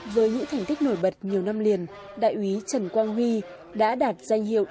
với những thành tích nổi bật nhiều năm liền đại úy trần quang huy đã đạt danh hiệu